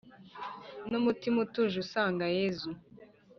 n’umutima utuje usanga yezu